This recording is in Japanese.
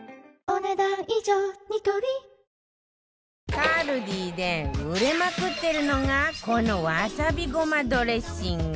ＫＡＬＤＩ で売れまくってるのがこのわさびごまドレッシング